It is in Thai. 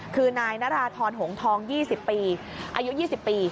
คือนายนาราธรหงทอง๒๐ปีอายุ๒๐ปี